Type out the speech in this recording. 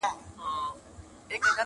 ټولنه ورو ورو بدلېږي لږ,